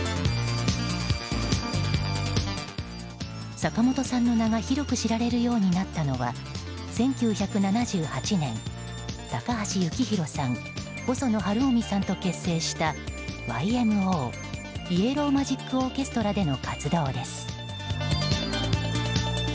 坂本さんの名が広く知られるようになったのは１９７８年、高橋幸宏さん細野晴臣さんと結成したＹＭＯイエロー・マジック・オーケストラでの活動です。